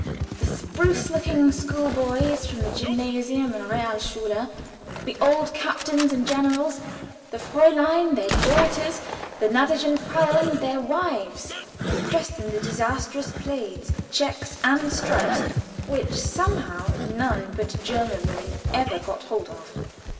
The spruce looking school boys from the Gymnasium and Realschule, the old captains and generals, the Fräulein their daughters, the gnädigen Frauen their wives; dressed in the disastrous plaids, checks, and stripes, which somehow none but German women ever got hold of.